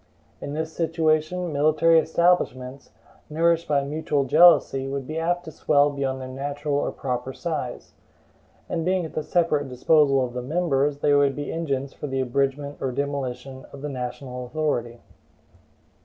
In this situation, military establishments, nourished by mutual jealousy, would be apt to swell beyond their natural or proper size; and being at the separate disposal of the members, they would be engines for the abridgment or demolition of the national authority.